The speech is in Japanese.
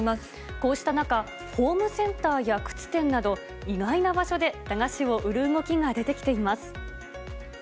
こうした中、ホームセンターや靴店など、意外な場所で駄菓子を売る動きが出てきています。